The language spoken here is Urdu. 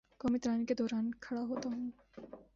قومی ترانے کے دوراں کھڑا ہوتا ہوں